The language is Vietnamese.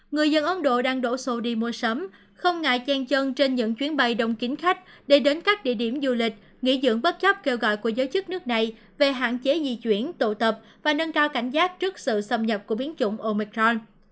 người dân ấn độ đang đổ xô đi mua sắm không ngại chen chân trên những chuyến bay đông kính khách để đến các địa điểm du lịch nghỉ dưỡng bất chấp kêu gọi của giới chức nước này về hạn chế di chuyển tụ tập và nâng cao cảnh giác trước sự xâm nhập của biến chủng omicron